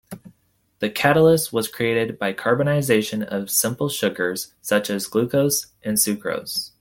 The catalyst was created by carbonization of simple sugars such as glucose and sucrose.